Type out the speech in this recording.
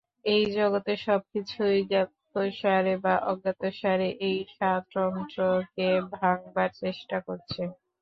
এই জগতে সব কিছুই জ্ঞাতসারে বা অজ্ঞাতসারে এই স্বাতন্ত্র্যকে ভাঙবার চেষ্টা করছে।